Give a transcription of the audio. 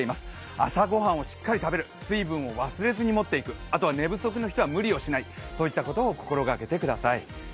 朝ご飯をしっかり食べる、水分を忘れずに持っていく、あとは寝不足の人は無理をしないそういったことを心がけてください。